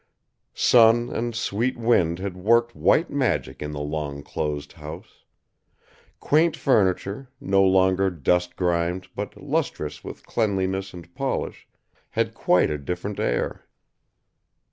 Sun and sweet wind had worked white magic in the long closed house. Quaint furniture, no longer dust grimed but lustrous with cleanliness and polish, had quite a different air.